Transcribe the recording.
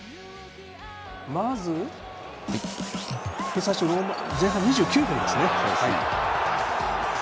まず、前半２９分ですね。